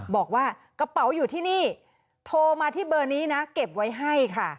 บอกว่ากระเป๋าอยู่ที่นี่โทรมาที่เบอร์นี้นะเก็บไว้ให้ค่ะ